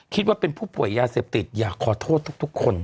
คิดว่าเป็นผู้ป่วยยาเสพติดอยากขอโทษทุกคน